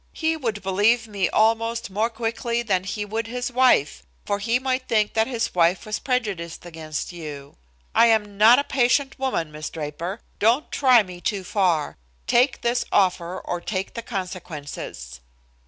He would believe me almost more quickly than he would his wife, for he might think that his wife was prejudiced against you. "I am not a patient woman, Miss Draper. Don't try me too far. Take this offer, or take the consequences."